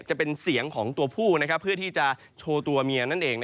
จะเป็นเสียงของตัวผู้เพื่อที่จะโชว์ตัวเมียนั่นเอง